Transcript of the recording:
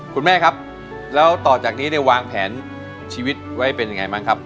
คุณแม่ครับแล้วต่อจากนี้เนี่ยวางแผนชีวิตไว้เป็นยังไงบ้างครับ